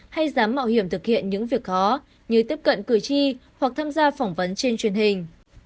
hay dám mạo hiểm thực hiện những việc khó như tiếp cận cử tri hoặc tham gia phỏng vấn trên truyền hình